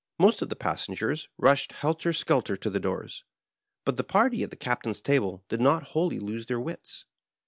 Most of the passengers rushed helter skelter to the doors, but the party at the Captain's table did not wholly lose their wits.